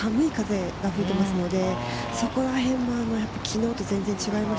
北風、寒い風が吹いていますので、そこらへんも昨日と全然違います。